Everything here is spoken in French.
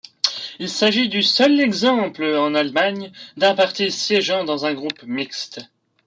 Il s'agit du seul exemple en Allemagne d'un parti siégeant dans un groupe mixte.